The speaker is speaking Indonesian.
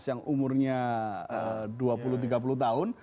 yang umurnya dua puluh tiga puluh tahun